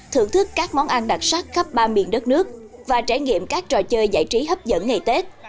thưởng thức các món ăn đặc sắc khắp ba miền đất nước và trải nghiệm các trò chơi giải trí hấp dẫn ngày tết